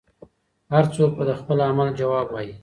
هر څوک به د خپل عمل ځواب وايي.